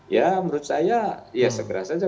ya menurut saya ya segera saja